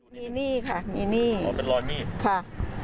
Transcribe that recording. มีหนี้ค่ะมีหนี้อ๋อเป็นรอยมีดค่ะ